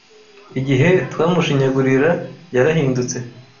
Igihe twamushinyagurira, yarahindutse.